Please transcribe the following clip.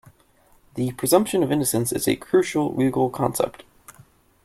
The presumption of innocence is a crucial legal concept.